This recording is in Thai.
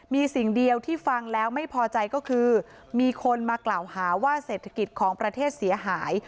มีสิ่งเดียวที่ฟังแล้วไม่พอใจก็คือมีคนมากล่าวหาว่าเศรษฐกิจของประเทศเสียหาย